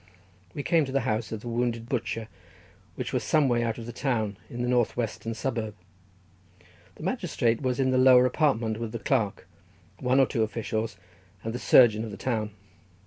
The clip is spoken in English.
We came to the house of the wounded butcher, which was some way out of the town in the north western suburb. The magistrate was in the lower apartment with the clerk, one or two officials, and the surgeon of the town.